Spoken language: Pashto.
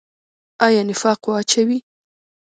آیا نفاق واچوي؟